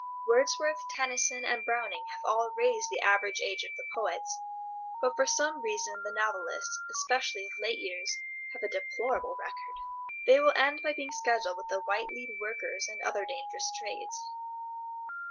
Wordsworth, Tennyson, and Browning have all raised the average age of the poets, but for some reason the novelists, especially of late years, have a deplorable record. They will end by being scheduled with the white lead workers and other dangerous trades.